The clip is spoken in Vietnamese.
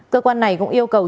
cơ quan này cũng yêu cầu